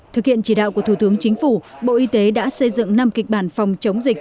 thực hiện chỉ đạo của thủ tướng chính phủ bộ y tế đã xây dựng năm kịch bản phòng chống dịch